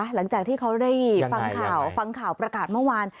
หลังจากที่เขาได้ฟังข่าวฟังข่าวประกาศเมื่อวาน